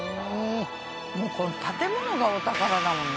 もうこの建物がお宝だもんな。